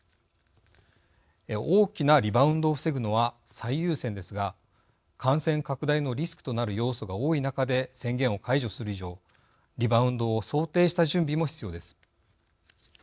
大きなリバウンドを防ぐのは最優先ですが感染拡大のリスクとなる要素が多い中で、宣言を解除する以上リバウンドを想定した準備も必要です。